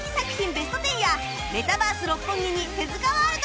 ベスト１０やメタバース六本木に手ワールドが誕生！